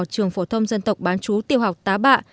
trường phổ thông dân tộc bán chú tiểu học tá bạ